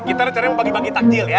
kita rencananya bagi bagi takjil ya